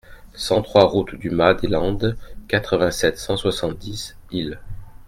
cent trois route du Mas des Landes, quatre-vingt-sept, cent soixante-dix, Isle